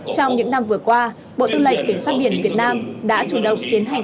trong những năm vừa qua bộ tư lệnh cảnh sát biển việt nam đã chủ động tiến hành